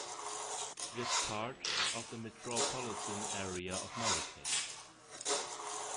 It is part of the metropolitan area of Maracay.